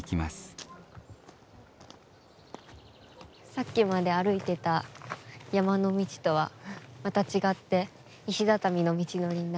さっきまで歩いてた山の道とはまた違って石畳の道のりになりましたね。